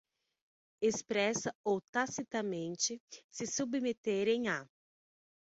expressa ou tacitamente, se submeterem à